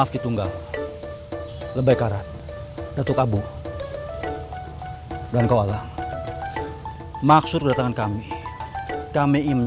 gimaung artaya ada apa ini